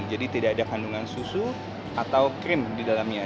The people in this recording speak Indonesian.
jadi tidak ada kandungan susu atau krim di dalamnya